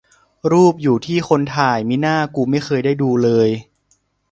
รูปอยู่ที่คนถ่าย มิน่า กูไม่เคยได้ดูเลย